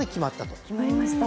決まりました。